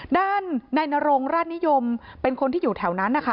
ด้านนายนรงราชนิยมเป็นคนที่อยู่แถวนั้นนะคะ